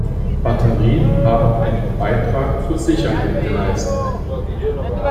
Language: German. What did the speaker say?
Batterien haben einen Beitrag zur Sicherheit geleistet.